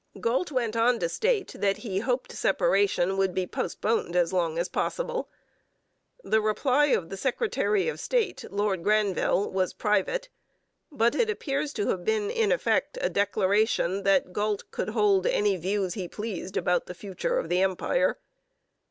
Galt went on to state that he hoped separation would be postponed as long as possible. The reply of the secretary of state, Lord Granville, was private, but it appears to have been in effect a declaration that Galt could hold any views he pleased about the future of the Empire.